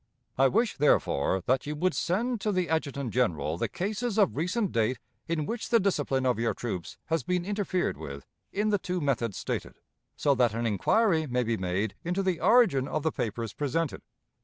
I wish, therefore, that you would send to the Adjutant General the cases of recent date in which the discipline of your troops has been interfered with in the two methods stated, so that an inquiry may be made into the origin of the papers presented.